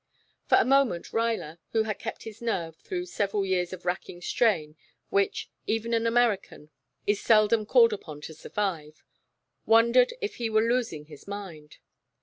For a moment Ruyler, who had kept his nerve through several years of racking strain which, even an American is seldom called upon to survive, wondered if he were losing his mind.